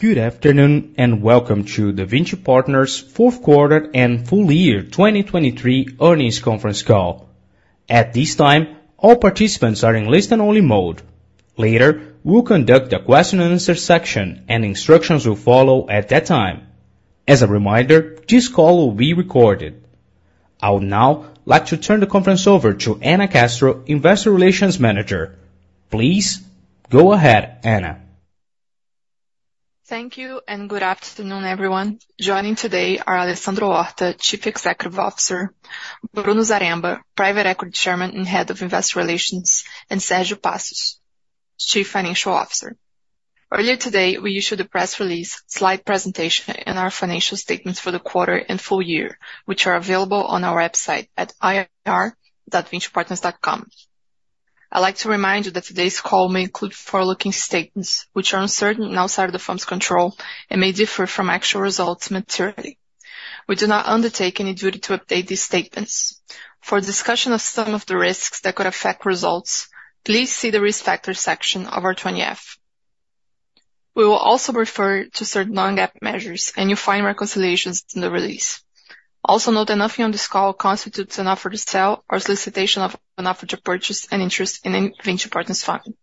Good afternoon, and welcome to the Vinci Partners Fourth Quarter and Full Year 2023 Earnings Conference Call. At this time, all participants are in listen-only mode. Later, we'll conduct a question and answer section, and instructions will follow at that time. As a reminder, this call will be recorded. I would now like to turn the conference over to Anna Castro, Investor Relations Manager. Please go ahead, Anna. Thank you, and good afternoon, everyone. Joining today are Alessandro Horta, Chief Executive Officer, Bruno Zaremba, Private Equity Chairman and Head of Investor Relations, and Sergio Passos, Chief Financial Officer. Earlier today, we issued a press release, slide presentation, and our financial statements for the quarter and full year, which are available on our website at ir.vincipartners.com. I'd like to remind you that today's call may include forward-looking statements, which are uncertain and outside of the firm's control and may differ from actual results materially. We do not undertake any duty to update these statements. For a discussion of some of the risks that could affect results, please see the Risk Factors section of our 20-F. We will also refer to certain non-GAAP measures, and you'll find reconciliations in the release. Also note that nothing on this call constitutes an offer to sell or solicitation of an offer to purchase an interest in a Vinci Partners fund.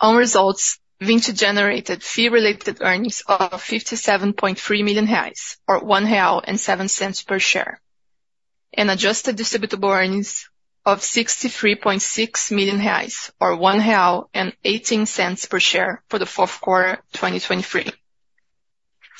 On results, Vinci generated fee-related earnings of 57.3 million reais, or 1.07 real per share, and adjusted distributable earnings of 63.6 million reais, or 1.18 real per share for the fourth quarter, 2023.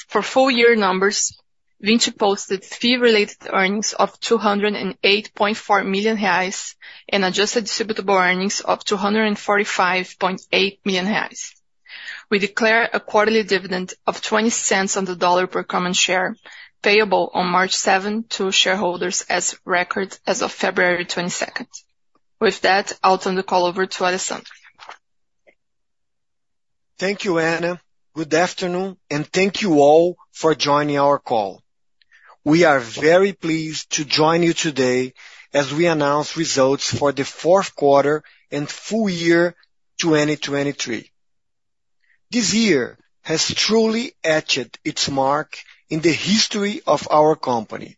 For full year numbers, Vinci posted fee-related earnings of 208.4 million reais and adjusted distributable earnings of 245.8 million reais. We declare a quarterly dividend of $0.20 per common share, payable on March 7 to shareholders as recorded as of February 22nd. With that, I'll turn the call over to Alessandro. Thank you, Anna. Good afternoon, and thank you all for joining our call. We are very pleased to join you today as we announce results for the fourth quarter and full year 2023. This year has truly etched its mark in the history of our company.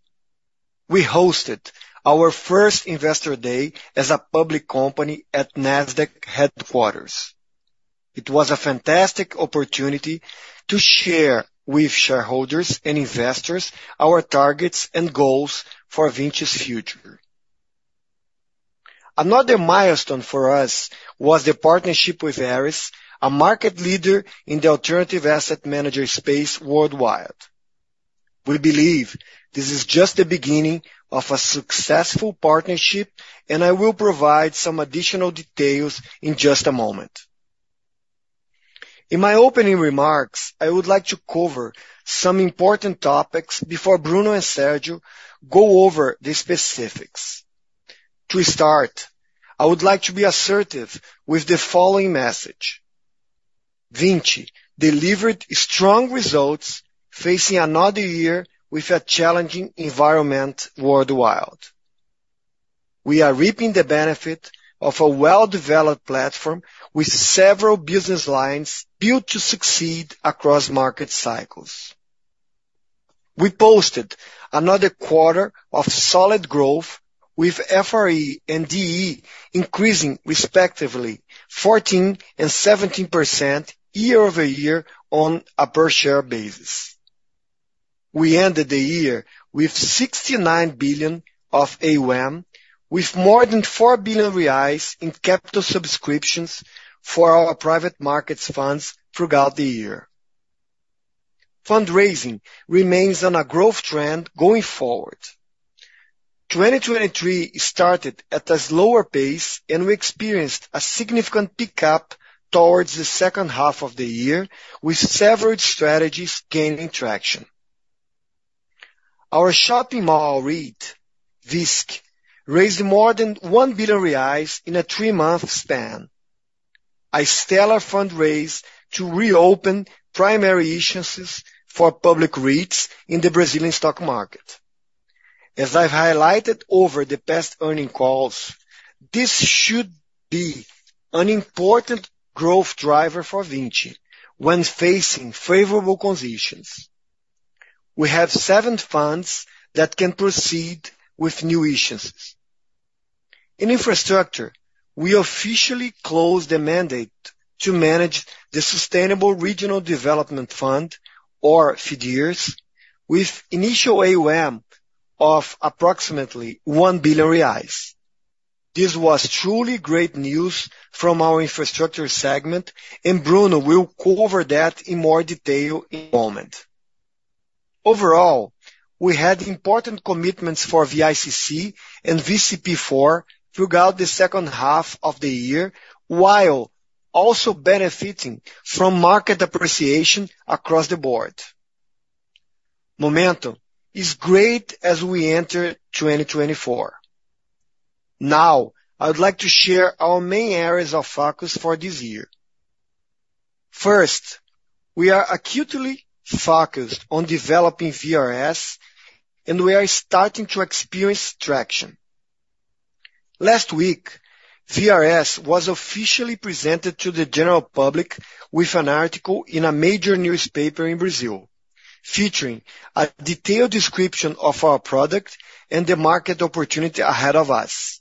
We hosted our first Investor Day as a public company at Nasdaq Headquarters. It was a fantastic opportunity to share with shareholders and investors our targets and goals for Vinci's future. Another milestone for us was the partnership with Ares, a market leader in the alternative asset manager space worldwide. We believe this is just the beginning of a successful partnership, and I will provide some additional details in just a moment. In my opening remarks, I would like to cover some important topics before Bruno and Sergio go over the specifics. To start, I would like to be assertive with the following message: Vinci delivered strong results facing another year with a challenging environment worldwide. We are reaping the benefit of a well-developed platform with several business lines built to succeed across market cycles. We posted another quarter of solid growth, with FRE and DE increasing, respectively, 14% and 17% year-over-year on a per-share basis. We ended the year with 69 billion of AUM, with more than 4 billion reais in capital subscriptions for our private markets funds throughout the year. Fundraising remains on a growth trend going forward. 2023 started at a slower pace, and we experienced a significant pickup towards the second half of the year, with several strategies gaining traction. Our shopping mall REIT, VISC, raised more than 1 billion reais in a three-month span, a stellar fundraise to reopen primary instances for public REITs in the Brazilian stock market. As I've highlighted over the past earning calls, this should be an important growth driver for Vinci when facing favorable conditions. We have seven funds that can proceed with new instances. In infrastructure, we officially closed the mandate to manage the Sustainable Regional Development Fund, or FDIRS, with initial AUM of approximately 1 billion reais. This was truly great news from our infrastructure segment, and Bruno will cover that in more detail in a moment. Overall, we had important commitments for VICC and VCP IV throughout the second half of the year, while also benefiting from market appreciation across the board. Momentum is great as we enter 2024. Now, I would like to share our main areas of focus for this year. First, we are acutely focused on developing VRS, and we are starting to experience traction... Last week, VRS was officially presented to the general public with an article in a major newspaper in Brazil, featuring a detailed description of our product and the market opportunity ahead of us.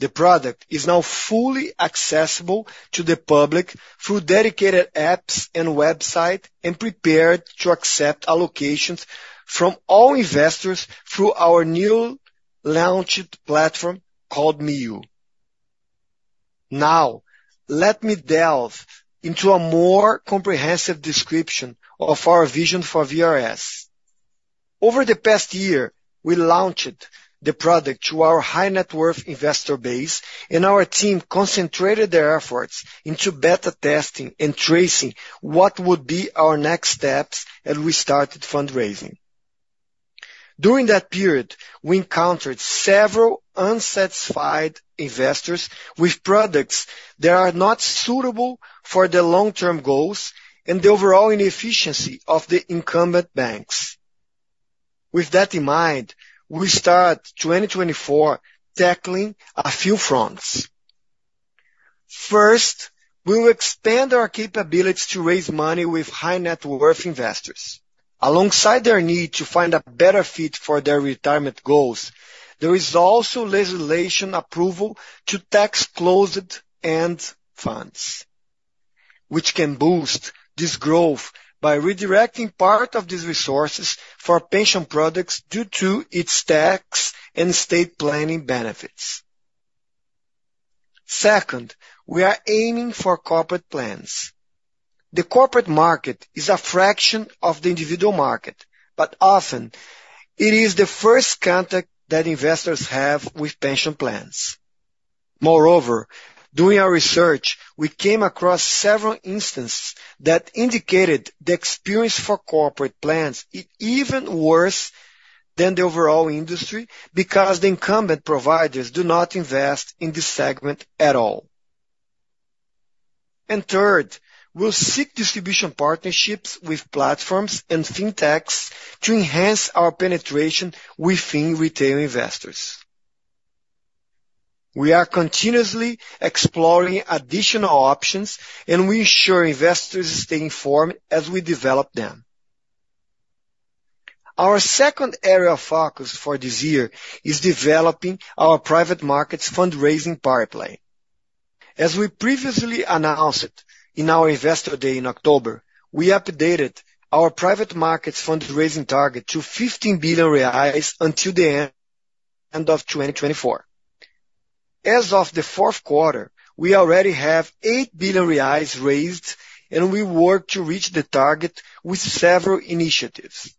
The product is now fully accessible to the public through dedicated apps and website, and prepared to accept allocations from all investors through our new launched platform called MIO. Now, let me delve into a more comprehensive description of our vision for VRS. Over the past year, we launched the product to our high net worth investor base, and our team concentrated their efforts into beta testing and tracing what would be our next steps as we started fundraising. `that period, we encountered several unsatisfied investors with products that are not suitable for their long-term goals and the overall inefficiency of the incumbent banks. With that in mind, we start 2024 tackling a few fronts. First, we will expand our capabilities to raise money with high net worth investors. Alongside their need to find a better fit for their retirement goals, there is also legislation approval to tax closed-end funds, which can boost this growth by redirecting part of these resources for pension products due to its tax and state planning benefits. Second, we are aiming for corporate plans. The corporate market is a fraction of the individual market, but often it is the first contact that investors have with pension plans. Moreover, during our research, we came across several instances that indicated the experience for corporate plans is even worse than the overall industry, because the incumbent providers do not invest in this segment at all. And third, we'll seek distribution partnerships with platforms and fintechs to enhance our penetration within retail investors. We are continuously exploring additional options, and we ensure investors stay informed as we develop them. Our second area of focus for this year is developing our private markets fundraising power play. As we previously announced in our Investor Day in October, we updated our private markets fundraising target to 15 billion reais until the end of 2024. As of the fourth quarter, we already have 8 billion reais raised, and we work to reach the target with several initiatives.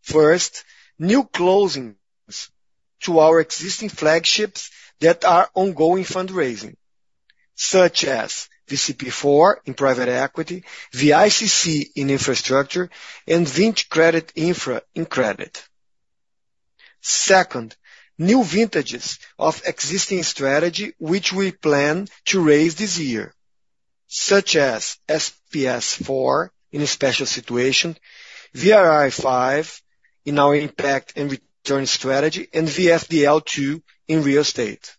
First, new closings to our existing flagships that are ongoing fundraising, such as VCP IV in private equity, VICC in infrastructure, and Vinci Credit Infra in credit. Second, new vintages of existing strategy, which we plan to raise this year, such as SPS IV in a special situation, VIR V in our impact and return strategy, and VFDL II in real estate.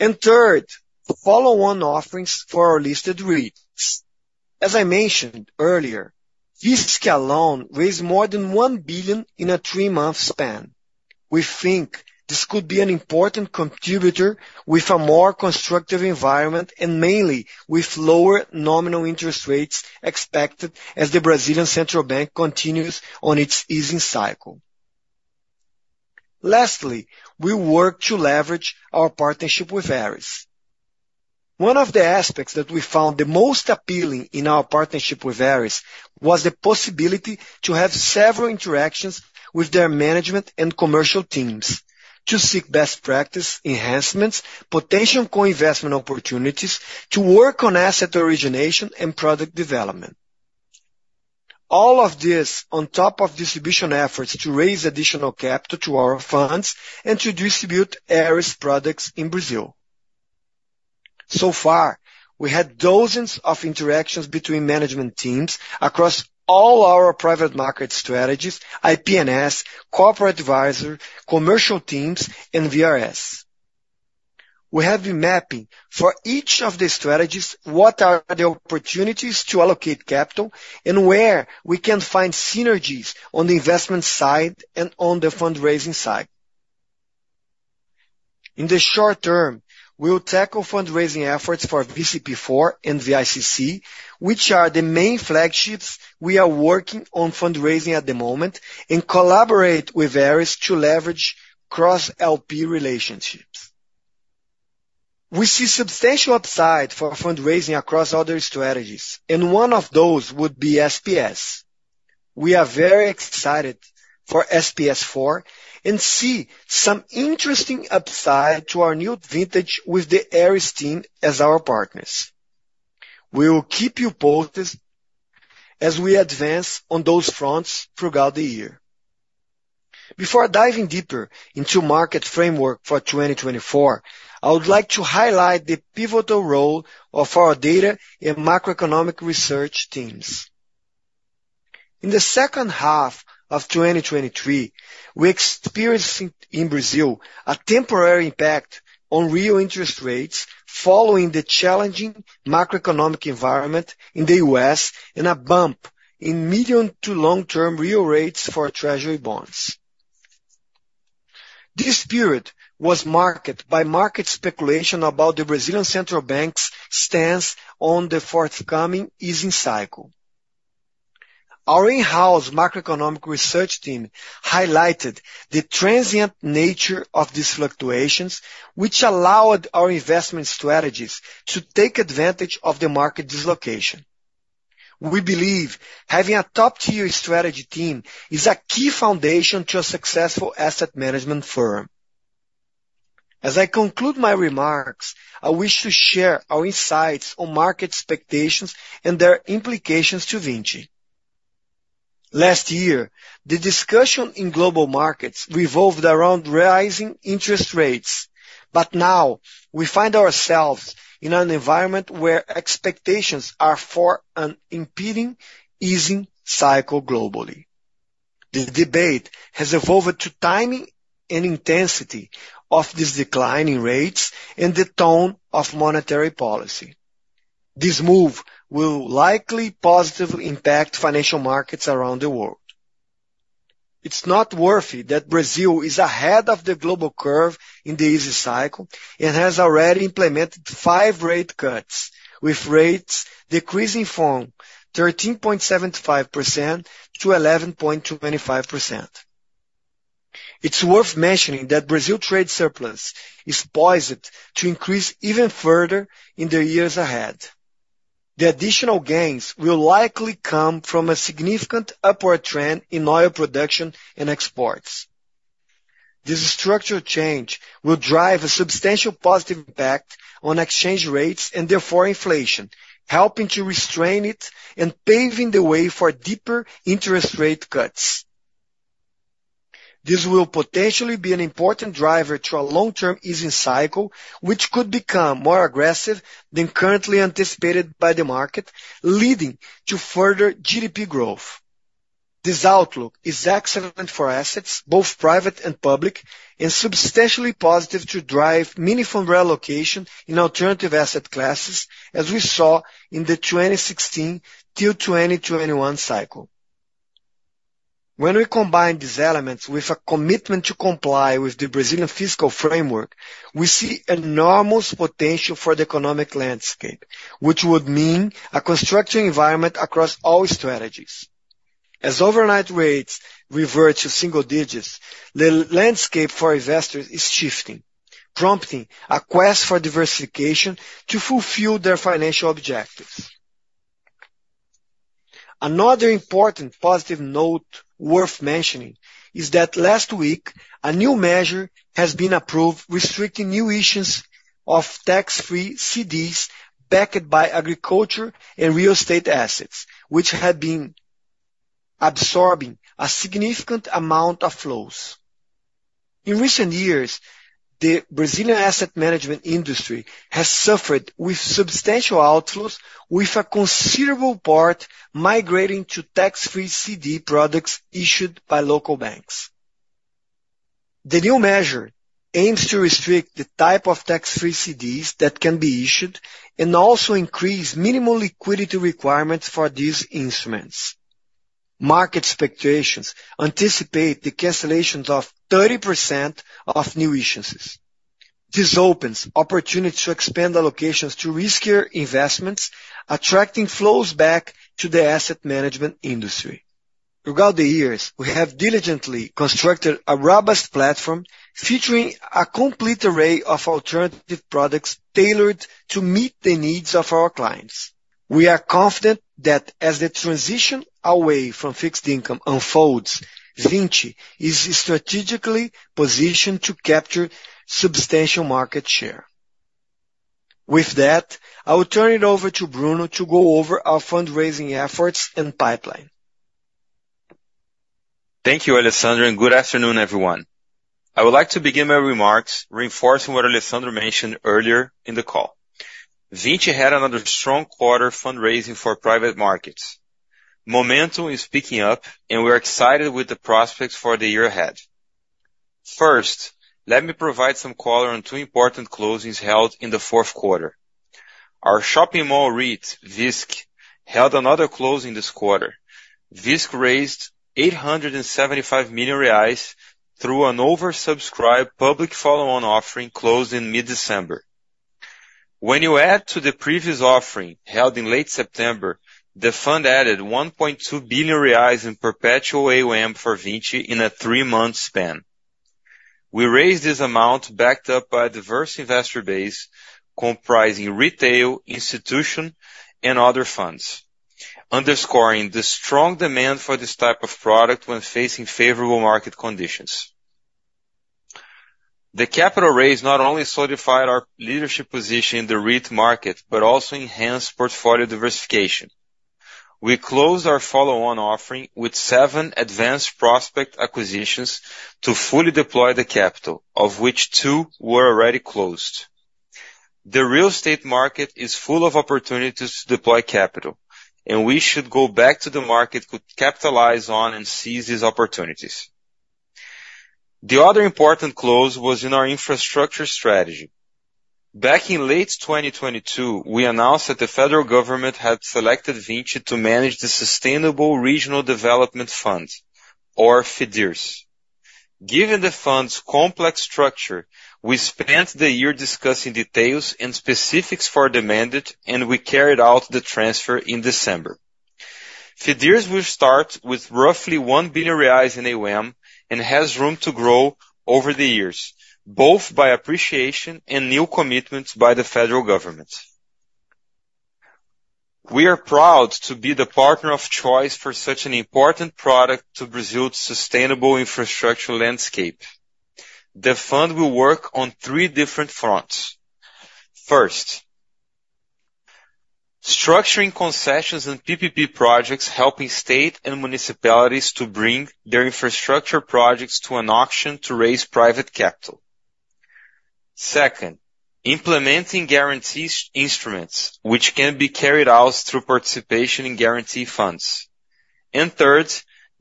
And third, the follow-on offerings for our listed REITs. As I mentioned earlier, VISC alone raised more than 1 billion in a three-month span. We think this could be an important contributor with a more constructive environment and mainly with lower nominal interest rates expected as the Brazilian Central Bank continues on its easing cycle. Lastly, we work to leverage our partnership with Ares. One of the aspects that we found the most appealing in our partnership with Ares was the possibility to have several interactions with their management and commercial teams to seek best practice enhancements, potential co-investment opportunities to work on asset origination and product development. All of this on top of distribution efforts to raise additional capital to our funds and to distribute Ares products in Brazil. So far, we had dozens of interactions between management teams across all our private market strategies, IP&S, Corporate Advisory, commercial teams, and VRS. We have been mapping for each of the strategies, what are the opportunities to allocate capital and where we can find synergies on the investment side and on the fundraising side. In the short term, we'll tackle fundraising efforts for VCP IV and VICC, which are the main flagships we are working on fundraising at the moment, and collaborate with Ares to leverage cross-LP relationships. We see substantial upside for fundraising across other strategies, and one of those would be SPS. We are very excited for SPS IV and see some interesting upside to our new vintage with the Ares team as our partners. We will keep you posted as we advance on those fronts throughout the year. Before diving deeper into market framework for 2024, I would like to highlight the pivotal role of our data and macroeconomic research teams. In the second half of 2023, we experienced in Brazil, a temporary impact on real interest rates following the challenging macroeconomic environment in the U.S., and a bump in medium to long-term real rates for Treasury bonds. This period was marked by market speculation about the Brazilian Central Bank's stance on the forthcoming easing cycle. Our in-house macroeconomic research team highlighted the transient nature of these fluctuations, which allowed our investment strategies to take advantage of the market dislocation. We believe having a top-tier strategy team is a key foundation to a successful asset management firm. As I conclude my remarks, I wish to share our insights on market expectations and their implications to Vinci. Last year, the discussion in global markets revolved around rising interest rates, but now we find ourselves in an environment where expectations are for an impending easing cycle globally. This debate has evolved to timing and intensity of this decline in rates and the tone of monetary policy. This move will likely positively impact financial markets around the world. It's noteworthy that Brazil is ahead of the global curve in the easing cycle, and has already implemented five rate cuts, with rates decreasing from 13.75%-11.25%. It's worth mentioning that Brazil trade surplus is poised to increase even further in the years ahead. The additional gains will likely come from a significant upward trend in oil production and exports. This structural change will drive a substantial positive impact on exchange rates and therefore inflation, helping to restrain it and paving the way for deeper interest rate cuts. This will potentially be an important driver to a long-term easing cycle, which could become more aggressive than currently anticipated by the market, leading to further GDP growth. This outlook is excellent for assets, both private and public, and substantially positive to drive meaningful relocation in alternative asset classes, as we saw in the 2016 till 2021 cycle. When we combine these elements with a commitment to comply with the Brazilian fiscal framework, we see enormous potential for the economic landscape, which would mean a constructive environment across all strategies. As overnight rates revert to single digits, the landscape for investors is shifting, prompting a quest for diversification to fulfill their financial objectives. Another important positive note worth mentioning is that last week, a new measure has been approved, restricting new issues of tax-free CDs backed by agriculture and real estate assets, which have been absorbing a significant amount of flows. In recent years, the Brazilian asset management industry has suffered with substantial outflows, with a considerable part migrating to tax-free CD products issued by local banks. The new measure aims to restrict the type of tax-free CDs that can be issued, and also increase minimum liquidity requirements for these instruments. Market speculations anticipate the cancellations of 30% of new issuances. This opens opportunities to expand allocations to riskier investments, attracting flows back to the asset management industry. Throughout the years, we have diligently constructed a robust platform featuring a complete array of alternative products tailored to meet the needs of our clients. We are confident that as the transition away from fixed income unfolds, Vinci is strategically positioned to capture substantial market share. With that, I will turn it over to Bruno to go over our fundraising efforts and pipeline. Thank you, Alessandro, and good afternoon, everyone. I would like to begin my remarks reinforcing what Alessandro mentioned earlier in the call. Vinci had another strong quarter fundraising for private markets. Momentum is picking up, and we're excited with the prospects for the year ahead. First, let me provide some color on two important closings held in the fourth quarter. Our shopping mall REIT, VISC, held another closing this quarter. VISC raised 875 million reais through an oversubscribed public follow-on offering closed in mid-December. When you add to the previous offering, held in late September, the fund added 1.2 billion reais in perpetual AUM for Vinci in a three-month span. We raised this amount backed up by a diverse investor base comprising retail, institutional, and other funds, underscoring the strong demand for this type of product when facing favorable market conditions. The capital raise not only solidified our leadership position in the REIT market, but also enhanced portfolio diversification. We closed our follow-on offering with seven advanced prospect acquisitions to fully deploy the capital, of which two were already closed.... The real estate market is full of opportunities to deploy capital, and we should go back to the market to capitalize on and seize these opportunities. The other important close was in our infrastructure strategy. Back in late 2022, we announced that the federal government had selected Vinci to manage the Sustainable Regional Development Fund, or FDIRS. Given the fund's complex structure, we spent the year discussing details and specifics for the mandate, and we carried out the transfer in December. FDIRS will start with roughly 1 billion reais in AUM, and has room to grow over the years, both by appreciation and new commitments by the federal government. We are proud to be the partner of choice for such an important product to Brazil's sustainable infrastructure landscape. The fund will work on three different fronts. First, structuring concessions and PPP projects, helping state and municipalities to bring their infrastructure projects to an auction to raise private capital. Second, implementing guarantees instruments, which can be carried out through participation in guarantee funds. And third,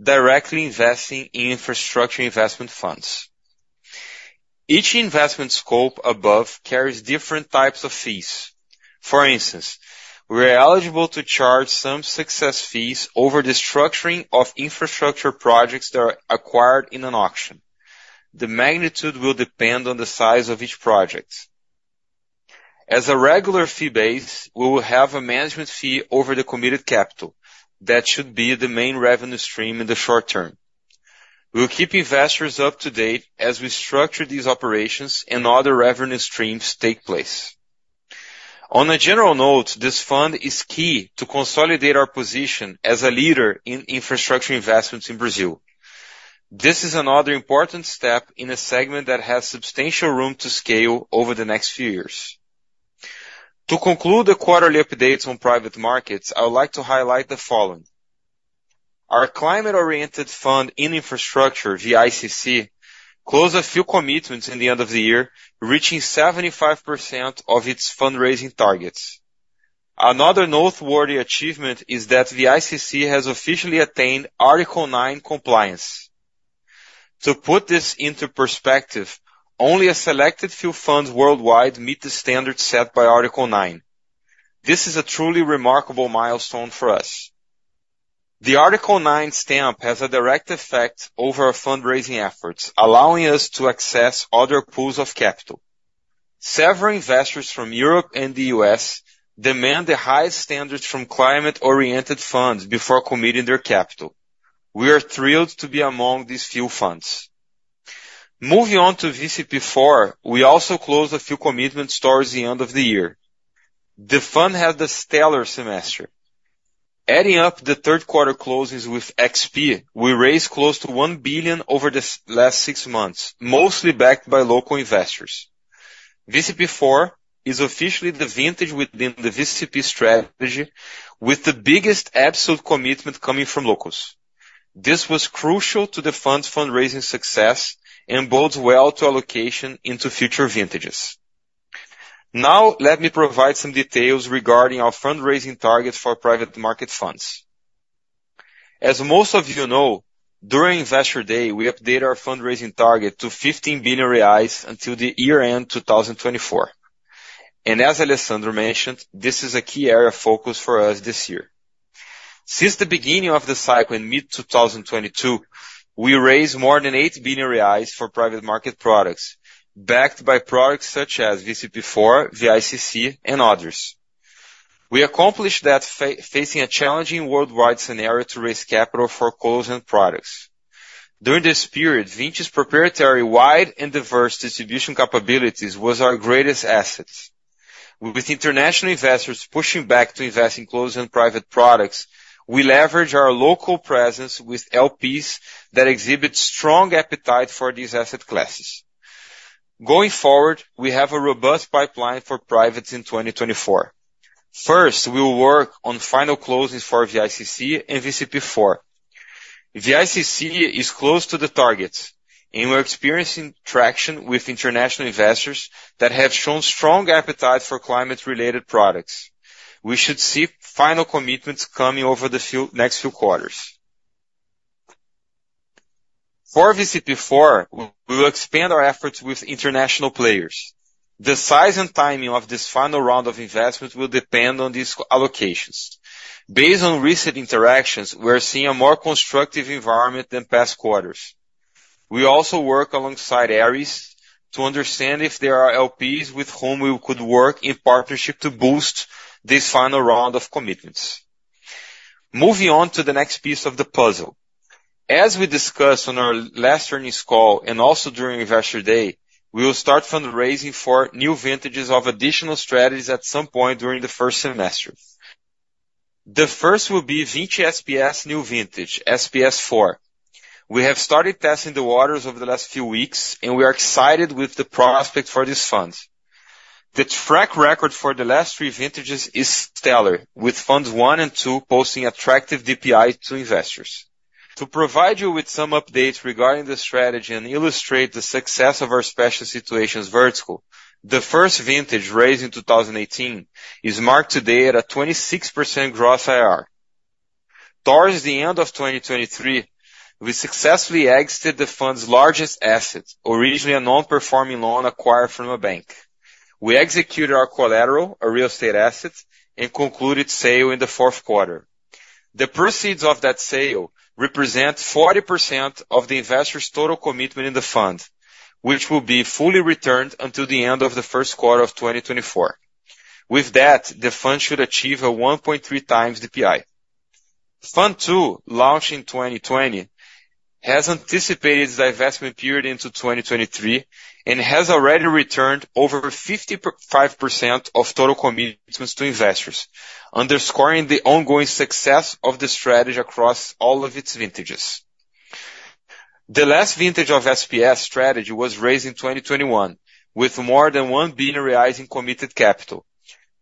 directly investing in infrastructure investment funds. Each investment scope above carries different types of fees. For instance, we are eligible to charge some success fees over the structuring of infrastructure projects that are acquired in an auction. The magnitude will depend on the size of each project. As a regular fee base, we will have a management fee over the committed capital. That should be the main revenue stream in the short term. We'll keep investors up to date as we structure these operations and other revenue streams take place. On a general note, this fund is key to consolidate our position as a leader in infrastructure investments in Brazil. This is another important step in a segment that has substantial room to scale over the next few years. To conclude the quarterly updates on private markets, I would like to highlight the following: Our climate-oriented fund in infrastructure, VICC, closed a few commitments in the end of the year, reaching 75% of its fundraising targets. Another noteworthy achievement is that VICC has officially attained Article 9 compliance. To put this into perspective, only a selected few funds worldwide meet the standards set by Article 9. This is a truly remarkable milestone for us. The Article 9 stamp has a direct effect over our fundraising efforts, allowing us to access other pools of capital. Several investors from Europe and the U.S. demand the highest standards from climate-oriented funds before committing their capital. We are thrilled to be among these few funds. Moving on to VCP IV, we also closed a few commitment sources the end of the year. The fund had a stellar semester. Adding up the third quarter closes with XP, we raised close to 1 billion over the last six months, mostly backed by local investors. VCP IV is officially the vintage within the VCP strategy, with the biggest absolute commitment coming from locals. This was crucial to the fund's fundraising success and bodes well to allocation into future vintages. Now, let me provide some details regarding our fundraising targets for private market funds. As most of you know, during Investor Day, we update our fundraising target to 15 billion reais until the year-end 2024. As Alessandro mentioned, this is a key area of focus for us this year. Since the beginning of the cycle in mid-2022, we raised more than 8 billion reais for private market products, backed by products such as VCP IV, VICC, and others. We accomplished that facing a challenging worldwide scenario to raise capital for closed-end products. During this period, Vinci's proprietary, wide, and diverse distribution capabilities was our greatest assets. With international investors pushing back to invest in closed and private products, we leverage our local presence with LPs that exhibit strong appetite for these asset classes. Going forward, we have a robust pipeline for privates in 2024. First, we will work on final closings for VICC and VCP IV. VICC is close to the targets, and we're experiencing traction with international investors that have shown strong appetite for climate-related products. We should see final commitments coming over the next few quarters. For VCP IV, we will expand our efforts with international players. The size and timing of this final round of investments will depend on these allocations. Based on recent interactions, we're seeing a more constructive environment than past quarters. We also work alongside Ares to understand if there are LPs with whom we could work in partnership to boost this final round of commitments. Moving on to the next piece of the puzzle. As we discussed on our last earnings call, and also during Investor Day, we will start fundraising for new vintages of additional strategies at some point during the first semester. The first will be Vinci SPS new vintage, SPS IV. We have started testing the waters over the last few weeks, and we are excited with the prospect for this fund. The track record for the last three vintages is stellar, with Funds I and II posting attractive DPI to investors. To provide you with some updates regarding the strategy and illustrate the success of our special situations vertical, the first vintage, raised in 2018, is marked today at a 26% gross IRR. Towards the end of 2023, we successfully exited the fund's largest asset, originally a non-performing loan acquired from a bank. We executed our collateral, a real estate asset, and concluded sale in the fourth quarter. The proceeds of that sale represent 40% of the investor's total commitment in the fund, which will be fully returned until the end of the first quarter of 2024. With that, the fund should achieve a 1.3x DPI. Fund II, launched in 2020, has anticipated its divestment period into 2023, and has already returned over 55% of total commitments to investors, underscoring the ongoing success of the strategy across all of its vintages. The last vintage of SPS strategy was raised in 2021, with more than 1 billion reais in committed capital.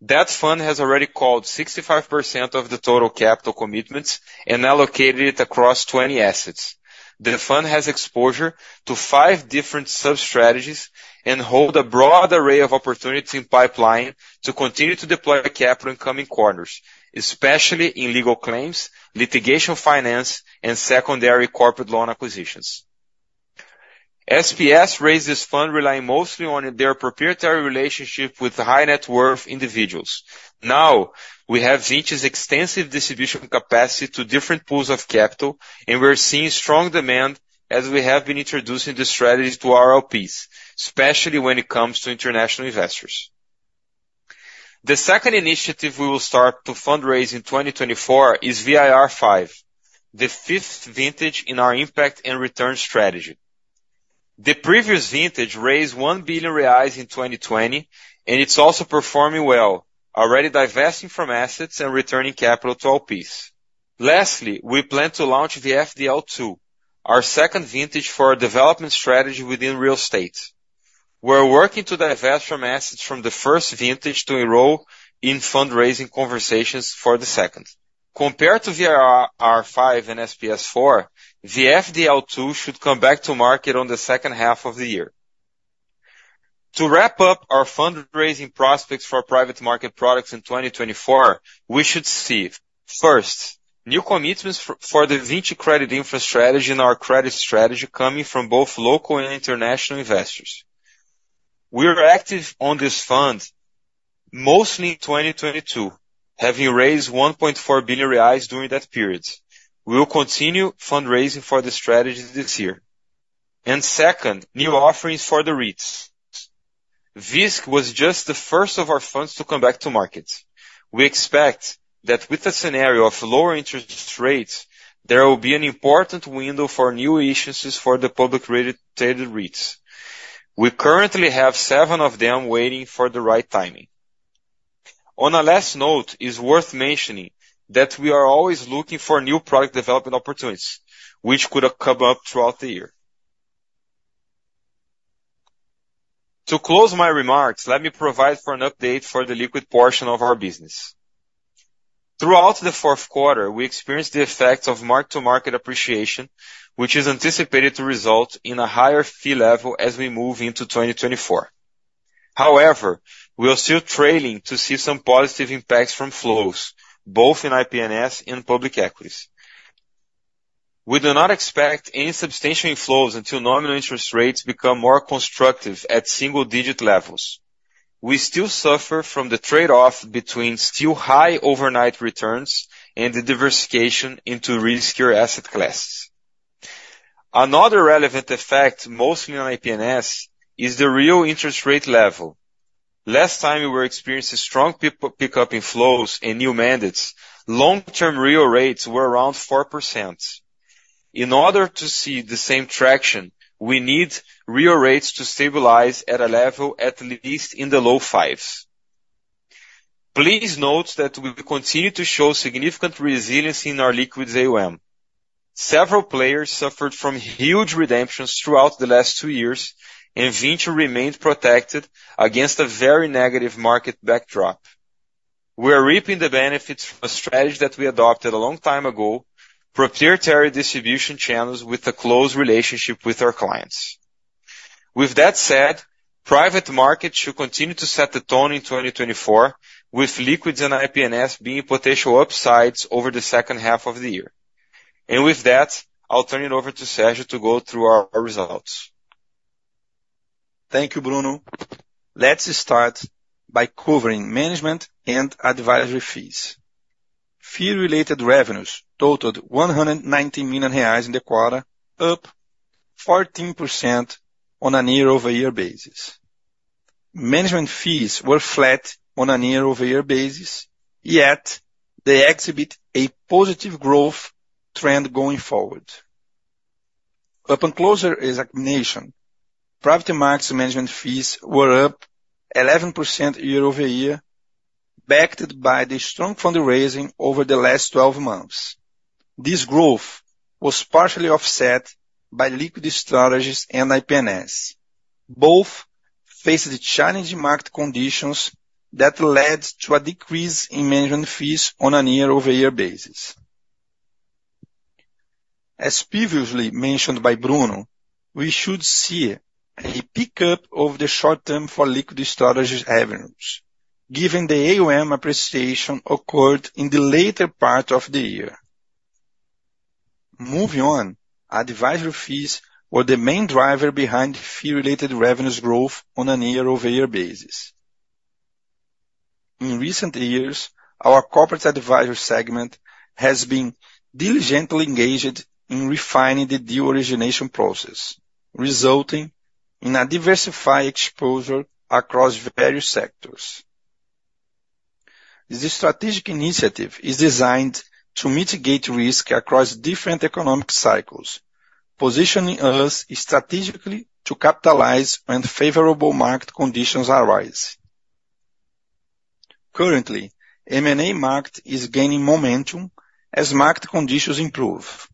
That fund has already called 65% of the total capital commitments and allocated it across 20 assets. The fund has exposure to five different sub-strategies and holds a broad array of opportunities in pipeline to continue to deploy the capital in coming quarters, especially in legal claims, litigation, finance, and secondary corporate loan acquisitions. SPS raised this fund relying mostly on their proprietary relationship with high net worth individuals. Now, we have Vinci's extensive distribution capacity to different pools of capital, and we're seeing strong demand as we have been introducing the strategies to our LPs, especially when it comes to international investors. The second initiative we will start to fundraise in 2024 is VIR V, the fifth vintage in our impact and return strategy. The previous vintage raised 1 billion reais in 2020, and it's also performing well, already divesting from assets and returning capital to LPs. Lastly, we plan to launch VFDL II, our second vintage for a development strategy within real estate. We're working to divest from assets from the first vintage to enroll in fundraising conversations for the second. Compared to VIR V and SPS IV, VFDL II should come back to market on the second half of the year. To wrap up our fundraising prospects for private market products in 2024, we should see, first, new commitments for the Vinci Credit Infra strategy and our credit strategy coming from both local and international investors. We were active on this fund mostly in 2022, having raised 1.4 billion reais during that period. We will continue fundraising for the strategy this year. And second, new offerings for the REITs. VISC was just the first of our funds to come back to market. We expect that with the scenario of lower interest rates, there will be an important window for new issuances for the public-related REITs. We currently have seven of them waiting for the right timing. On a last note, it's worth mentioning that we are always looking for new product development opportunities, which could have come up throughout the year. To close my remarks, let me provide an update on the liquid portion of our business. Throughout the fourth quarter, we experienced the effects of mark-to-market appreciation, which is anticipated to result in a higher fee level as we move into 2024. However, we are still waiting to see some positive impacts from flows, both in IP&S and public equities. We do not expect any substantial inflows until nominal interest rates become more constructive at single-digit levels. We still suffer from the trade-off between still high overnight returns and the diversification into real, secure asset classes. Another relevant effect, mostly on IP&S, is the real interest rate level. Last time we were experiencing strong PE pickup in flows and new mandates, long-term real rates were around 4%. In order to see the same traction, we need real rates to stabilize at a level, at least in the low 5%s. Please note that we will continue to show significant resilience in our liquids AUM. Several players suffered from huge redemptions throughout the last two years, and Vinci remains protected against a very negative market backdrop. We are reaping the benefits from a strategy that we adopted a long time ago, proprietary distribution channels with a close relationship with our clients. With that said, private market should continue to set the tone in 2024, with liquids and IP&S being potential upsides over the second half of the year. With that, I'll turn it over to Sergio to go through our results. Thank you, Bruno. Let's start by covering management and advisory fees. Fee-related revenues totaled 190 million reais in the quarter, up 14% on a year-over-year basis. Management fees were flat on a year-over-year basis, yet they exhibit a positive growth trend going forward. Upon closer examination, private markets management fees were up 11% year-over-year, backed by the strong fundraising over the last 12 months. This growth was partially offset by liquidity strategies and IP&S. Both faced the challenging market conditions that led to a decrease in management fees on a year-over-year basis... As previously mentioned by Bruno, we should see a pickup over the short term for liquidity strategies revenues, given the AUM appreciation occurred in the later part of the year. Moving on, advisory fees were the main driver behind fee-related revenues growth on a year-over-year basis. In recent years, our Corporate Advisory segment has been diligently engaged in refining the deal origination process, resulting in a diversified exposure across various sectors. This strategic initiative is designed to mitigate risk across different economic cycles, positioning us strategically to capitalize when favorable market conditions arise. Currently, M&A market is gaining momentum as market conditions improve.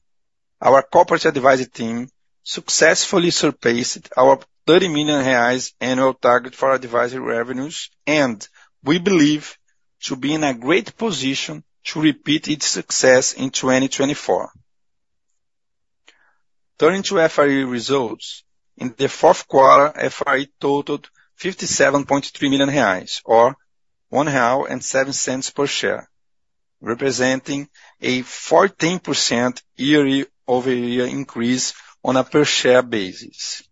Our corporate advisory team successfully surpassed our 30 million reais annual target for advisory revenues, and we believe to be in a great position to repeat its success in 2024. Turning to FRE results. In the fourth quarter, FRE totaled 57.3 million reais, or 1.07 real per share, representing a 14% year-over-year increase on a per-share basis.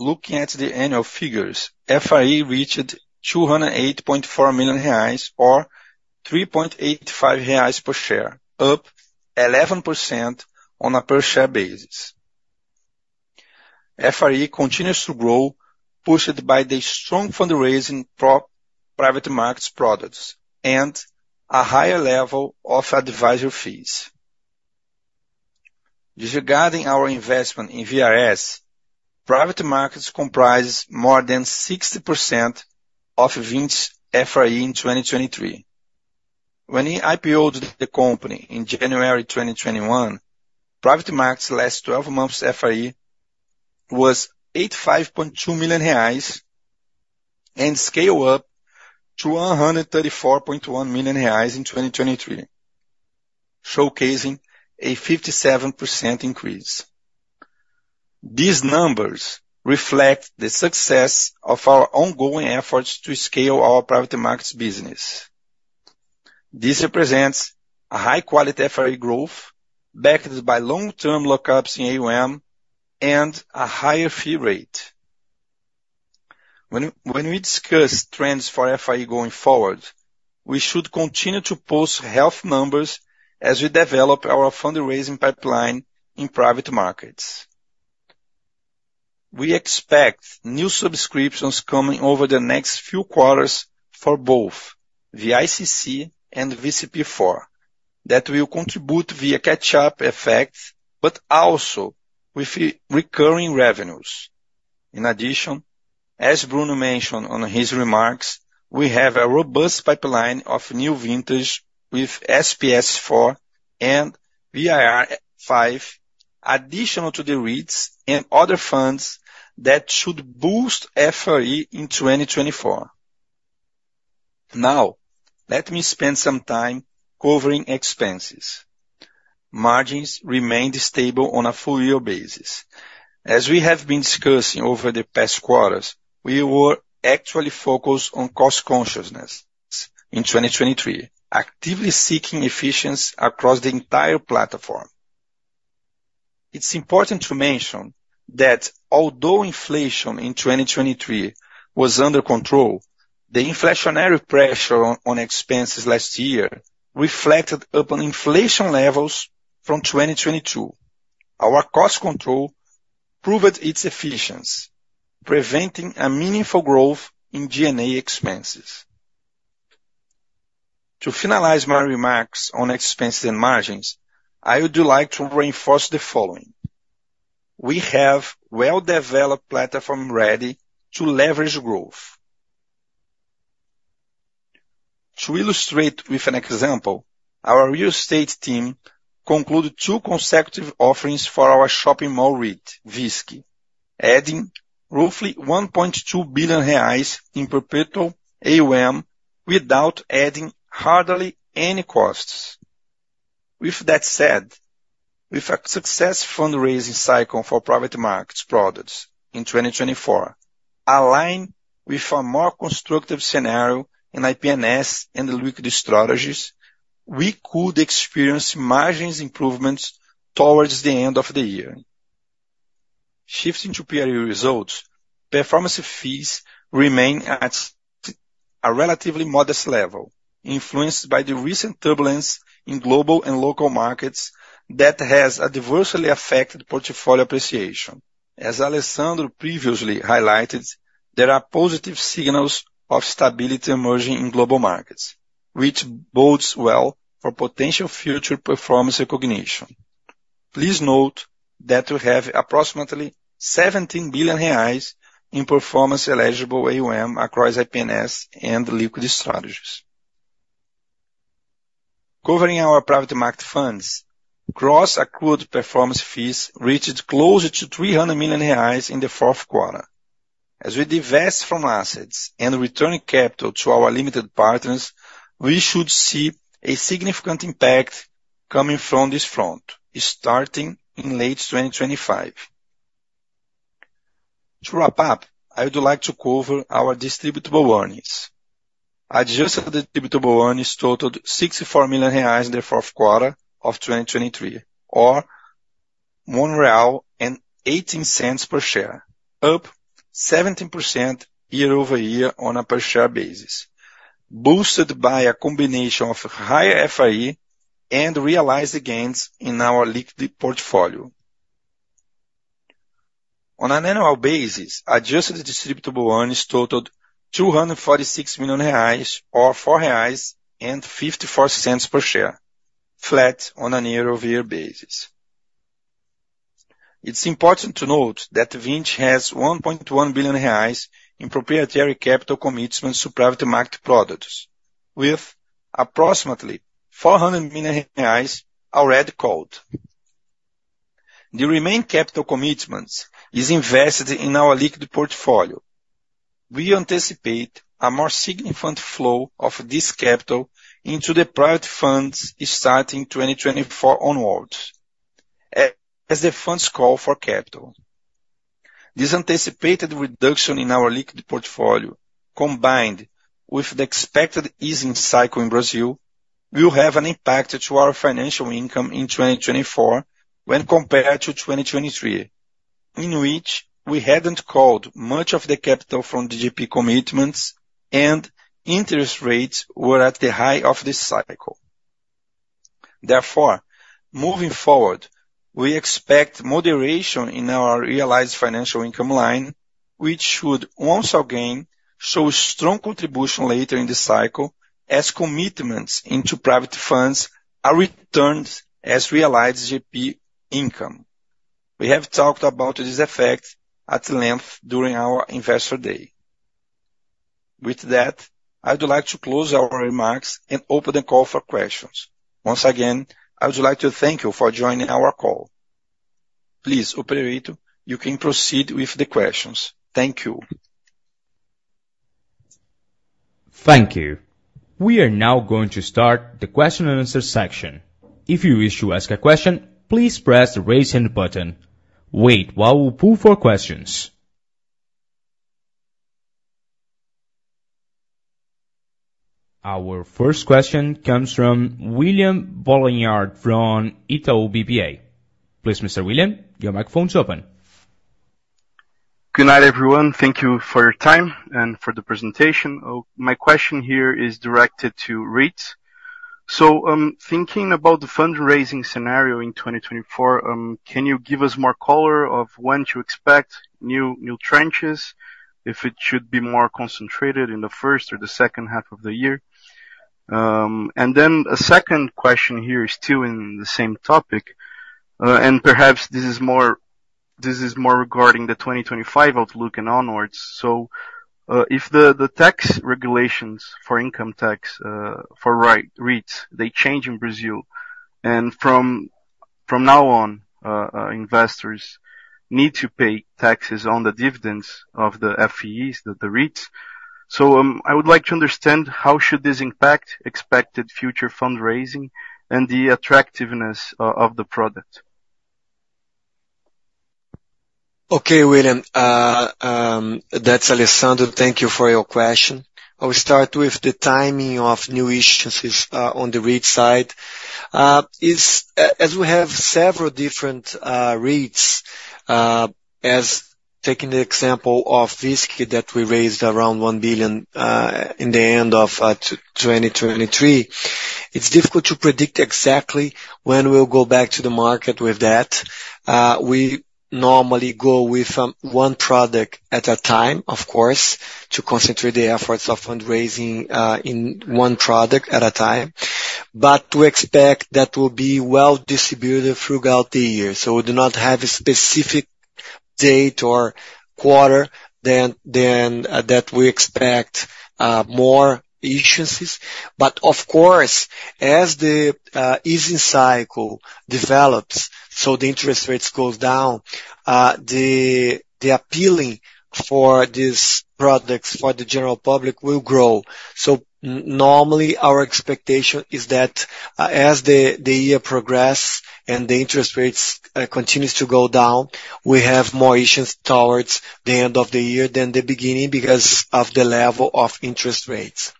Looking at the annual figures, FRE reached 208.4 million reais, or 3.85 reais per share, up 11% on a per-share basis. FRE continues to grow, pushed by the strong fundraising for private markets products and a higher level of advisory fees. Regarding our investment in VRS, private markets comprise more than 60% of Vinci's FRE in 2023. When we IPO-ed the company in January 2021, private markets last 12 months FRE was 85.2 million reais, and scale up to 134.1 million reais in 2023, showcasing a 57% increase. These numbers reflect the success of our ongoing efforts to scale our private markets business. This represents a high-quality FRE growth, backed by long-term lockups in AUM and a higher fee rate. When we discuss trends for FRE going forward, we should continue to post health numbers as we develop our fundraising pipeline in private markets. We expect new subscriptions coming over the next few quarters for both the ICC and VCP IV. That will contribute via catch-up effect, but also with the recurring revenues. In addition, as Bruno mentioned on his remarks, we have a robust pipeline of new vintage with SPS IV and VIR V, additional to the REITs and other funds that should boost FRE in 2024. Now, let me spend some time covering expenses. Margins remained stable on a full year basis. As we have been discussing over the past quarters, we were actually focused on cost consciousness in 2023, actively seeking efficiency across the entire platform. It's important to mention that although inflation in 2023 was under control, the inflationary pressure on expenses last year reflected upon inflation levels from 2022. Our cost control proved its efficiency, preventing a meaningful growth in G&A expenses. To finalize my remarks on expenses and margins, I would like to reinforce the following: We have well-developed platform ready to leverage growth. To illustrate with an example, our real estate team concluded two consecutive offerings for our shopping mall REIT, VISC, adding roughly 1.2 billion reais in perpetual AUM without adding hardly any costs. With that said, with a success fundraising cycle for private markets products in 2024, aligned with a more constructive scenario in IP&S and the liquid strategies, we could experience margins improvements towards the end of the year. Shifting to PRI results, performance fees remain at a relatively modest level, influenced by the recent turbulence in global and local markets that has adversely affected portfolio appreciation. As Alessandro previously highlighted, there are positive signals of stability emerging in global markets, which bodes well for potential future performance recognition. Please note that we have approximately 17 billion reais in performance eligible AUM across IP&S and liquid strategies. Covering our private market funds, gross accrued performance fees reached closer to 300 million reais in the fourth quarter. As we divest from assets and return capital to our limited partners, we should see a significant impact coming from this front, starting in late 2025. To wrap up, I would like to cover our distributable earnings. Adjusted distributable earnings totaled 64 million reais in the fourth quarter of 2023, or 1.18 real per share, up 17% year-over-year on a per-share basis, boosted by a combination of higher FRE and realized gains in our liquid portfolio. On an annual basis, Adjusted distributable earnings totaled 246 million reais or 4.54 reais per share, flat on a year-over-year basis. It's important to note that Vinci has 1.1 billion reais in proprietary capital commitments to private market products, with approximately 400 million reais already called. The remaining capital commitments is invested in our liquid portfolio. We anticipate a more significant flow of this capital into the private funds starting 2024 onwards, as the funds call for capital. This anticipated reduction in our liquid portfolio, combined with the expected easing cycle in Brazil, will have an impact to our financial income in 2024 when compared to 2023, in which we hadn't called much of the capital from the GP commitments and interest rates were at the high of this cycle. Therefore, moving forward, we expect moderation in our realized financial income line, which should once again show strong contribution later in the cycle as commitments into private funds are returned as realized GP income. We have talked about this effect at length during our investor day. With that, I would like to close our remarks and open the call for questions. Once again, I would like to thank you for joining our call. Please, operator, you can proceed with the questions. Thank you. Thank you. We are now going to start the question and answer section. If you wish to ask a question, please press the Raise Hand button. Wait while we pull for questions. Our first question comes from William Barranjard from Itaú BBA. Please, Mr. William, your microphone is open. Good night, everyone. Thank you for your time and for the presentation. My question here is directed to REITs. So, thinking about the fundraising scenario in 2024, can you give us more color on when to expect new tranches, if it should be more concentrated in the first or the second half of the year? And then a second question here is still in the same topic, and perhaps this is more regarding the 2025 outlook and onwards. So, if the tax regulations for income tax for REITs change in Brazil, and from now on investors need to pay taxes on the dividends of the FIEs, the REITs. So, I would like to understand how should this impact expected future fundraising and the attractiveness of the product? Okay, William, that's Alessandro. Thank you for your question. I will start with the timing of new instances on the REIT side. As we have several different REITs, as taking the example of VISC that we raised around 1 billion in the end of 2023, it's difficult to predict exactly when we'll go back to the market with that. We normally go with one product at a time, of course, to concentrate the efforts of fundraising in one product at a time. But we expect that will be well distributed throughout the year, so we do not have a specific date or quarter than that we expect more efficiencies. But of course, as the easing cycle develops, so the interest rates goes down, the appealing for these products for the general public will grow. So normally, our expectation is that, as the year progress and the interest rates continues to go down, we have more issues towards the end of the year than the beginning because of the level of interest rates.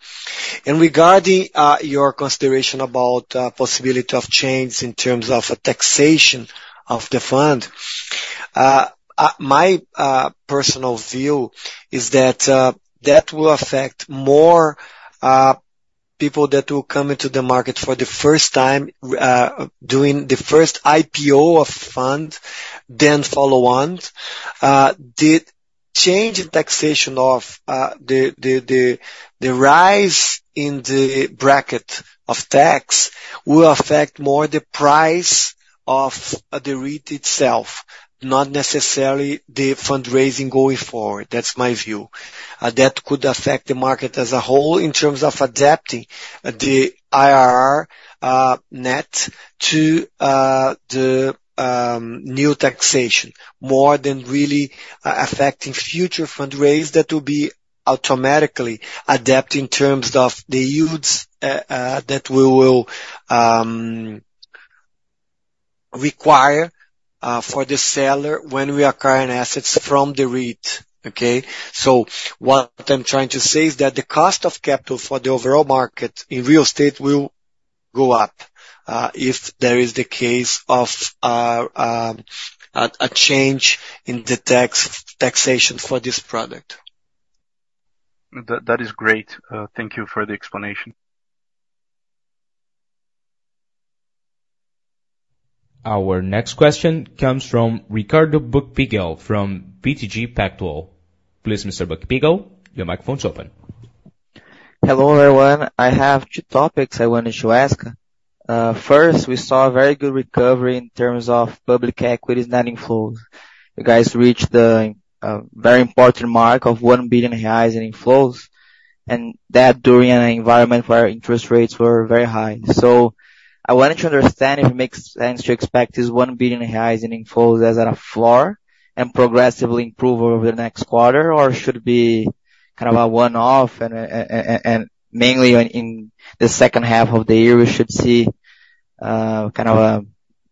And regarding your consideration about possibility of change in terms of taxation of the fund, my personal view is that that will affect more people that will come into the market for the first time doing the first IPO of fund than follow ons. The change in taxation of the rise in the bracket of tax will affect more the price of the REIT itself, not necessarily the fundraising going forward. That's my view.... that could affect the market as a whole in terms of adapting the IRR, net to the new taxation, more than really affecting future fundraise that will be automatically adapting in terms of the yields that we will require for the seller when we acquire an assets from the REIT, okay? So what I'm trying to say is that the cost of capital for the overall market in real estate will go up, if there is the case of a change in the taxation for this product. That, that is great. Thank you for the explanation. Our next question comes from Ricardo Buchpiguel, from BTG Pactual. Please, Mr. Buchpiguel, your microphone is open. Hello, everyone. I have two topics I wanted to ask. First, we saw a very good recovery in terms of public equities net inflows. You guys reached the very important mark of 1 billion reais in inflows, and that during an environment where interest rates were very high. So I wanted to understand if it makes sense to expect this 1 billion reais in inflows as at a floor and progressively improve over the next quarter, or should it be kind of a one-off and mainly in the second half of the year, we should see kind of a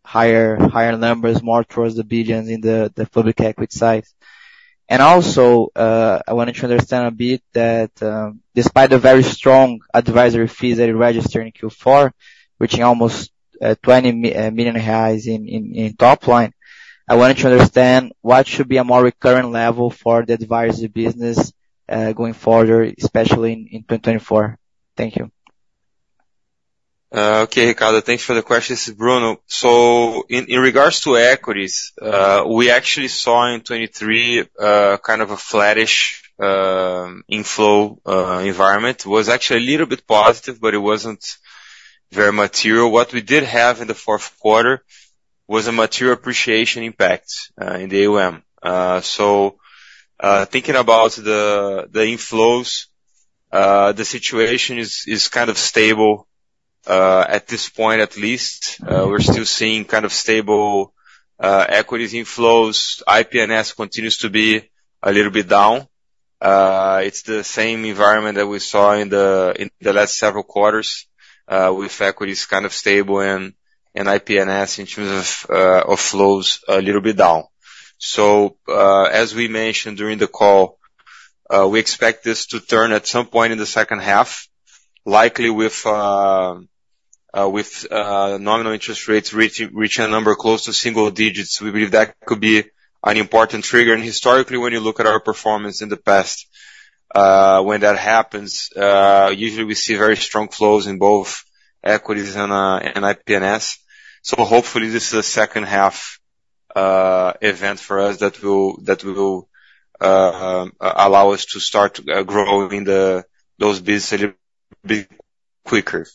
higher numbers, more towards the billions in the public equity side. I wanted to understand a bit that, despite the very strong advisory fees that you registered in Q4, which are almost 20 million reais in top line, I wanted to understand what should be a more recurrent level for the advisory business, going forward, especially in 2024. Thank you. Okay, Ricardo, thanks for the question. This is Bruno. So in regards to equities, we actually saw in 2023 kind of a flattish inflow environment. It was actually a little bit positive, but it wasn't very material. What we did have in the fourth quarter was a material appreciation impact in the AUM. So thinking about the inflows, the situation is kind of stable at this point, at least. We're still seeing kind of stable equities inflows. IP&S continues to be a little bit down. It's the same environment that we saw in the last several quarters with equities kind of stable and IP&S in terms of outflows a little bit down. So, as we mentioned during the call, we expect this to turn at some point in the second half, likely with nominal interest rates reaching a number close to single digits. We believe that could be an important trigger. And historically, when you look at our performance in the past, when that happens, usually we see very strong flows in both equities and IP&S. So hopefully, this is a second-half event for us that will allow us to start growing those business a bit quicker.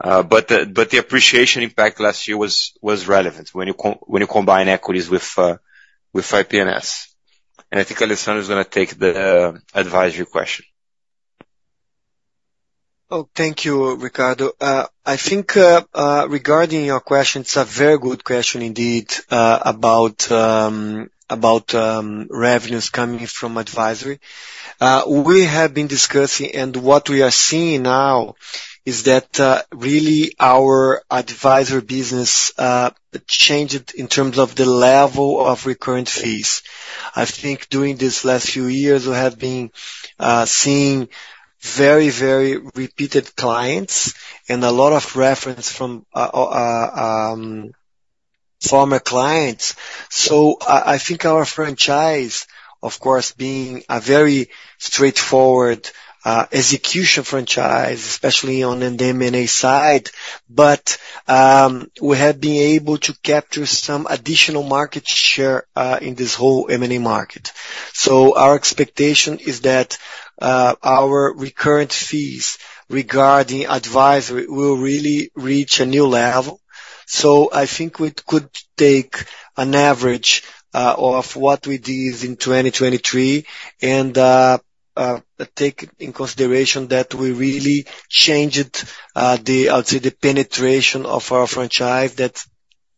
But the appreciation impact last year was relevant when you combine equities with IP&S. And I think Alessandro is gonna take the advisory question. Oh, thank you, Ricardo. I think, regarding your question, it's a very good question indeed, about revenues coming from advisory. We have been discussing, and what we are seeing now is that, really our advisory business changed in terms of the level of recurrent fees. I think during these last few years, we have been seeing very, very repeated clients and a lot of reference from former clients. So I think our franchise, of course, being a very straightforward execution franchise, especially on the M&A side, but we have been able to capture some additional market share in this whole M&A market. So our expectation is that our recurrent fees regarding advisory will really reach a new level. So I think we could take an average of what we did in 2023, and take in consideration that we really changed the, I would say, the penetration of our franchise that's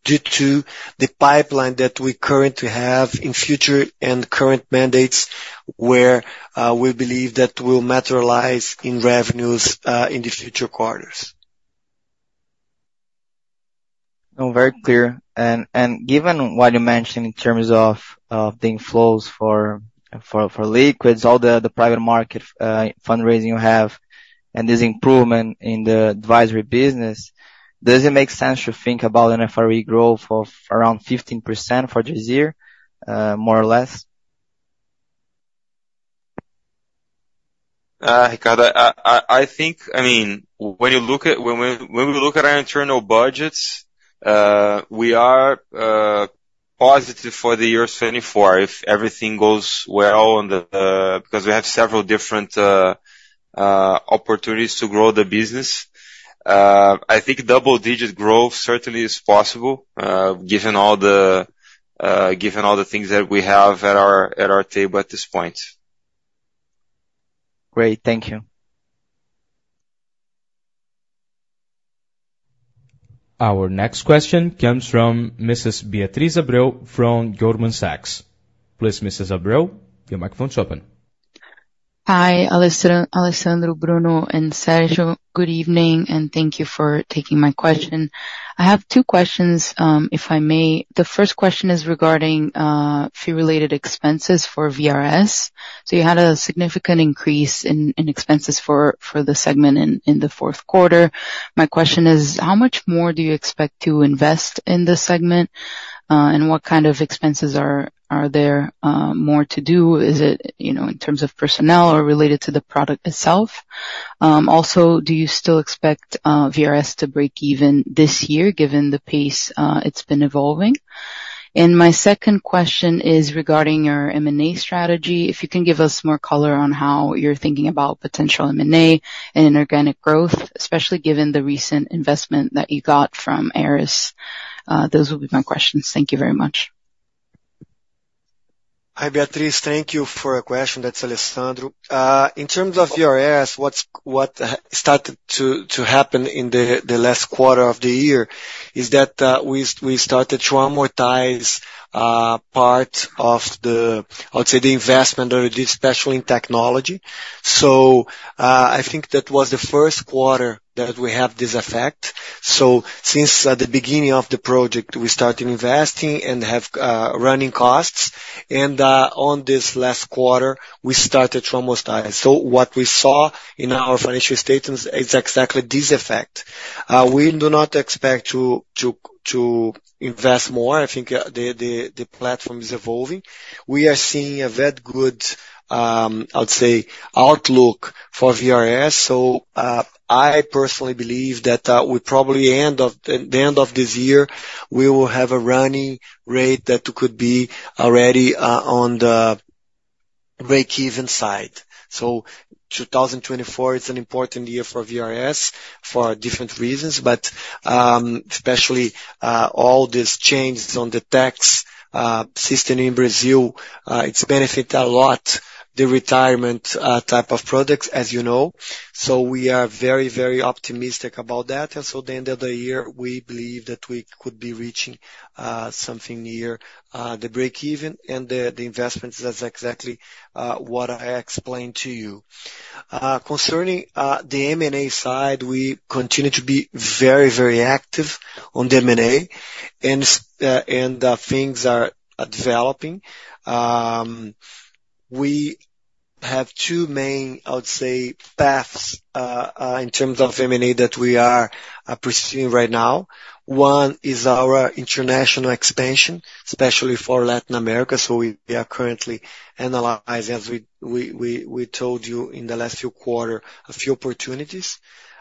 due to the pipeline that we currently have in future and current mandates, where we believe that will materialize in revenues in the future quarters. No, very clear. And given what you mentioned in terms of the inflows for liquids, all the private market fundraising you have, and this improvement in the advisory business, does it make sense to think about an FRE growth of around 15% for this year, more or less? Ricardo, I think... I mean, when we look at our internal budgets, we are positive for the year 2024, if everything goes well, and because we have several different opportunities to grow the business. I think double-digit growth certainly is possible, given all the things that we have at our table at this point. Great. Thank you. Our next question comes from Mrs. Beatriz Abreu from Goldman Sachs. Please, Mrs. Abreu, your microphone is open. Hi, Alessandro, Bruno, and Sergio. Good evening, and thank you for taking my question. I have two questions, if I may. The first question is regarding fee-related expenses for VRS. So you had a significant increase in expenses for the segment in the fourth quarter. My question is, how much more do you expect to invest in this segment? And what kind of expenses are there more to do? Is it, you know, in terms of personnel or related to the product itself? Also, do you still expect VRS to break even this year, given the pace it's been evolving? And my second question is regarding your M&A strategy. If you can give us more color on how you're thinking about potential M&A and organic growth, especially given the recent investment that you got from Ares. Those will be my questions. Thank you very much. Hi, Beatriz. Thank you for your question. That's Alessandro. In terms of VRS, what started to happen in the last quarter of the year is that we started to amortize part of the, I would say, the investment, or especially in technology. So, I think that was the first quarter that we have this effect. So since the beginning of the project, we started investing and have running costs, and on this last quarter, we started to amortize. So what we saw in our financial statements is exactly this effect. We do not expect to invest more. I think the platform is evolving. We are seeing a very good, I would say, outlook for VRS. So, I personally believe that we probably end of... The end of this year, we will have a running rate that could be already on the breakeven side. So 2024 is an important year for VRS for different reasons, but especially all these changes on the tax system in Brazil, it benefit a lot the retirement type of products, as you know. So we are very, very optimistic about that. And so at the end of the year, we believe that we could be reaching something near the breakeven and the investments. That's exactly what I explained to you. Concerning the M&A side, we continue to be very, very active on the M&A, and things are developing. We have two main, I would say, paths in terms of M&A that we are pursuing right now. One is our international expansion, especially for Latin America. So we are currently analyzing, as we told you in the last few quarter, a few opportunities.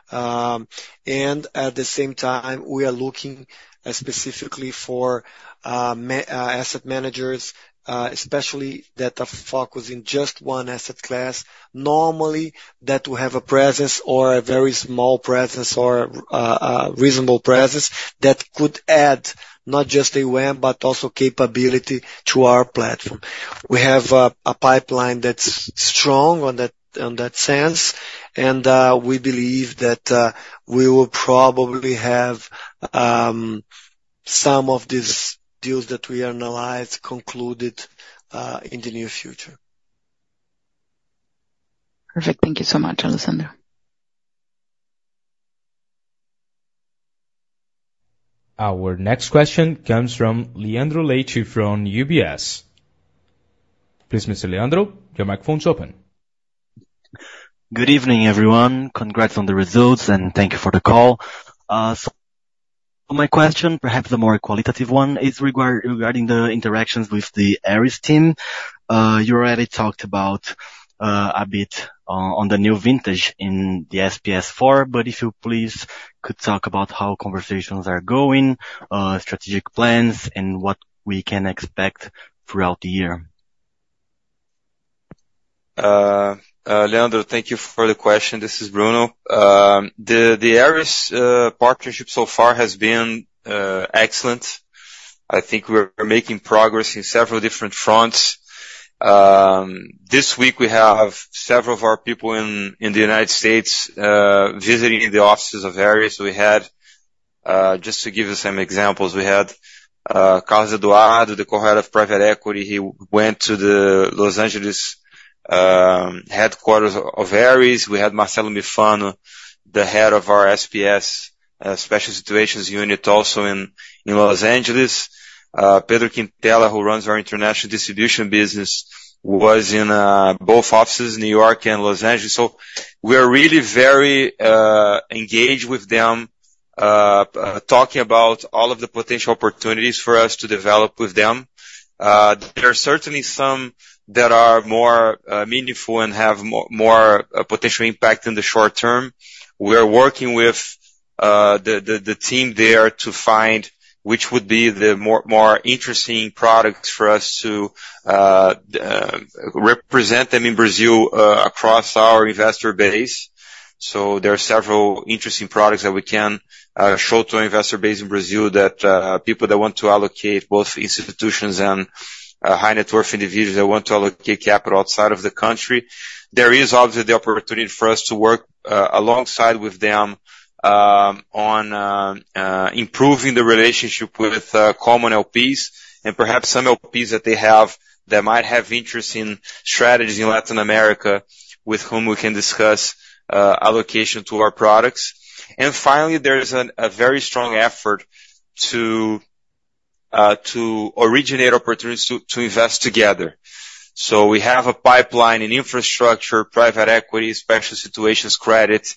And at the same time, we are looking specifically for asset managers, especially that are focusing just one asset class. Normally, that will have a presence or a very small presence or a reasonable presence that could add not just AUM, but also capability to our platform. We have a pipeline that's strong on that, in that sense, and we believe that we will probably have some of these deals that we analyzed, concluded in the near future. Perfect. Thank you so much, Alessandro. Our next question comes from Leandro Leite from UBS. Please, Mr. Leandro, your microphone is open. Good evening, everyone. Congrats on the results, and thank you for the call. So my question, perhaps a more qualitative one, is regarding the interactions with the Ares team. You already talked about a bit on the new vintage in the SPS IV, but if you please could talk about how conversations are going, strategic plans, and what we can expect throughout the year? Leandro, thank you for the question. This is Bruno. The Ares partnership so far has been excellent. I think we're making progress in several different fronts. This week, we have several of our people in the United States visiting the offices of Ares. We had just to give you some examples, we had Carlos Eduardo, the Co-Head of Private Equity. He went to the Los Angeles headquarters of Ares. We had Marcelo Mifano, the Head of our SPS Special Situations Unit, also in Los Angeles. Pedro Quintella, who runs our International Distribution business, was in both offices in New York and Los Angeles. So we are really very engaged with them talking about all of the potential opportunities for us to develop with them. There are certainly some that are more meaningful and have more potential impact in the short term. We're working with the team there to find which would be the more interesting products for us to represent them in Brazil across our investor base. So there are several interesting products that we can show to our investor base in Brazil that people that want to allocate, both institutions and-... high net worth individuals that want to allocate capital outside of the country. There is obviously the opportunity for us to work alongside with them on improving the relationship with common LPs and perhaps some LPs that they have that might have interest in strategies in Latin America, with whom we can discuss allocation to our products. And finally, there is a very strong effort to originate opportunities to invest together. So we have a pipeline in infrastructure, private equity, special situations, credit,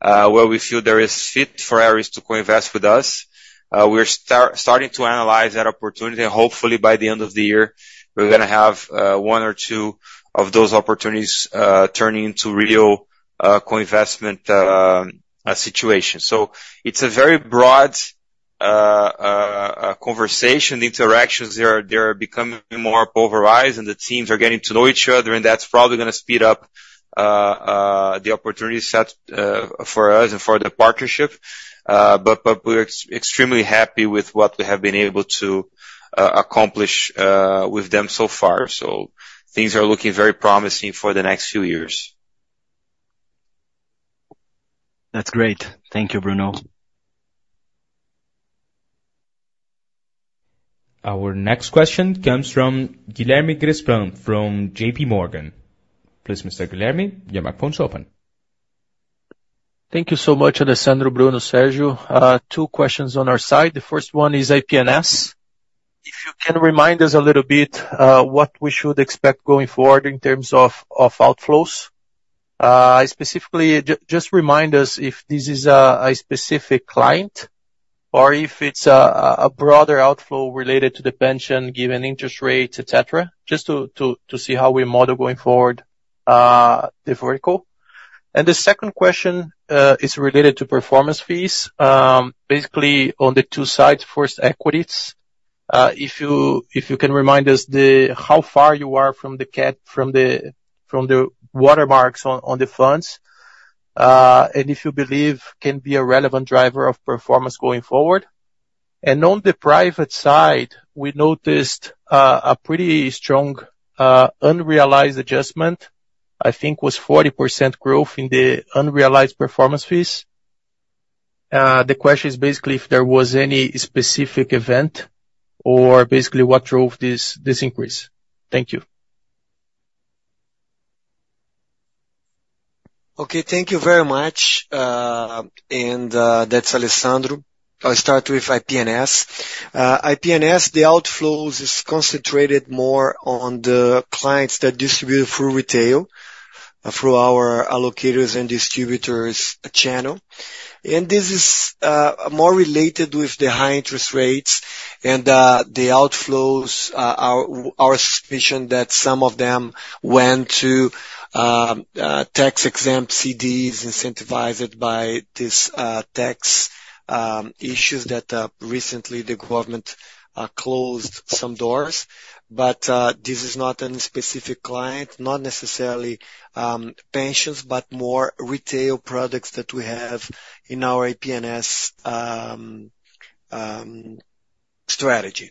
where we feel there is fit for Ares to co-invest with us. We're starting to analyze that opportunity, and hopefully by the end of the year, we're gonna have one or two of those opportunities turning into real co-investment situations. So it's a very broad conversation. The interactions, they are becoming more pulverized, and the teams are getting to know each other, and that's probably gonna speed up the opportunity set for us and for the partnership. But we're extremely happy with what we have been able to accomplish with them so far. So things are looking very promising for the next few years. That's great. Thank you, Bruno. Our next question comes from Guilherme Grespan from JPMorgan. Please, Mr. Guilherme, your microphone is open. Thank you so much, Alessandro, Bruno, Sergio. Two questions on our side. The first one is IP&S. If you can remind us a little bit what we should expect going forward in terms of outflows. Specifically, just remind us if this is a specific client or if it's a broader outflow related to the pension, given interest rates, et cetera. Just to see how we model going forward the vertical. And the second question is related to performance fees. Basically, on the two sides, first, equities. If you can remind us how far you are from the watermarks on the funds, and if you believe can be a relevant driver of performance going forward? On the private side, we noticed a pretty strong unrealized adjustment. I think it was 40% growth in the unrealized performance fees. The question is basically if there was any specific event, or basically, what drove this increase? Thank you. Okay, thank you very much. That's Alessandro. I'll start with IP&S. IP&S, the outflows is concentrated more on the clients that distribute through retail, through our allocators and distributors channel. This is more related with the high interest rates and the outflows. Our suspicion that some of them went to tax-exempt CDs, incentivized by this tax issues that recently the government closed some doors. But this is not any specific client, not necessarily pensions, but more retail products that we have in our IP&S strategy.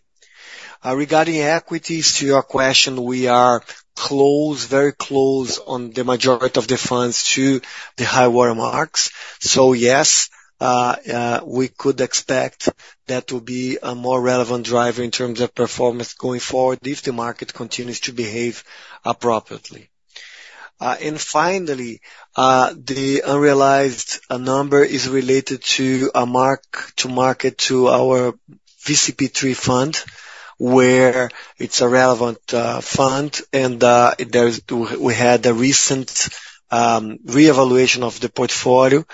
Regarding equities, to your question, we are close, very close on the majority of the funds to the high watermarks. So yes, we could expect that to be a more relevant driver in terms of performance going forward, if the market continues to behave appropriately. And finally, the unrealized number is related to a mark-to-market to our VCP III fund, where it's a relevant fund, and we had a recent reevaluation of the portfolio,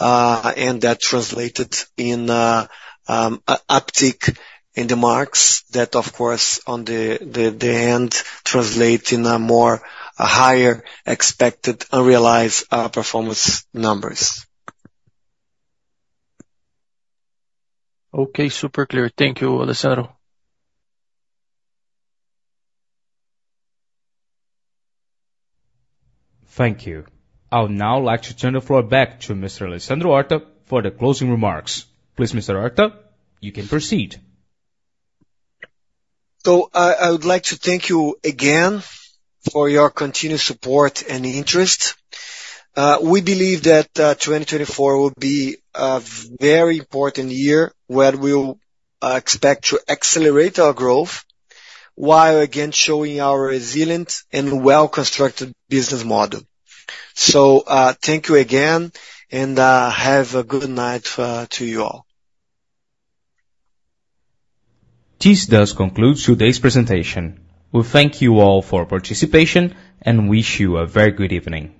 and that translated in an uptick in the marks that of course, on the end, translate in a higher expected unrealized performance numbers. Okay, super clear. Thank you, Alessandro. Thank you. I would now like to turn the floor back to Mr. Alessandro Horta for the closing remarks. Please, Mr. Horta, you can proceed. So I would like to thank you again for your continued support and interest. We believe that 2024 will be a very important year, where we'll expect to accelerate our growth, while again showing our resilient and well-constructed business model. So, thank you again, and have a good night to you all. This does conclude today's presentation. We thank you all for your participation, and wish you a very good evening.